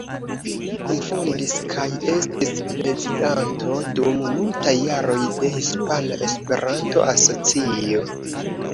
Li kunfondis kaj estis prezidanto dum multaj jaroj de Hispana Esperanto-Asocio.